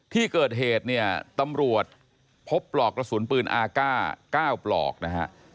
ที่เกิดเหตุเนี่ยตำรวจพบปลอกกระสุนปืนอาก้า๙ปลอกนะฮะ